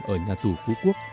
ở nhà tù phú quốc